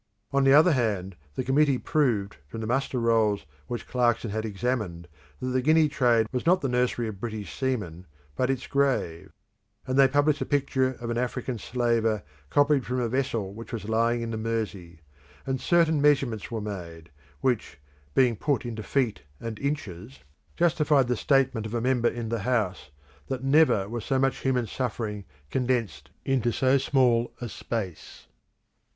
On the other hand, the Committee proved from the muster rolls which Clarkson had examined that the Guinea trade was not the nursery of British seamen, but its grave; and they published a picture of an African slaver, copied from a vessel which was lying in the Mersey, and certain measurements were made, which, being put into feet and inches, justified the statement of a member in the House, that never was so much human suffering condensed into so small a space.